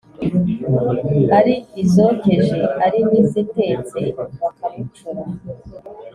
ari izokeje, ari n'izitetse bakamucura